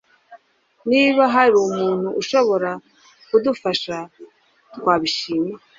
Niba hari umuntu ushobora kudufasha, twabishima.